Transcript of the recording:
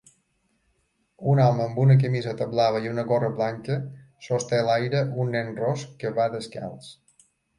Un home amb una camiseta blava i una gorra blanca sosté a l'aire un nen ros que va descalç.